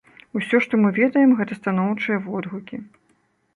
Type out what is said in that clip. Усё, што мы ведаем, гэта станоўчыя водгукі.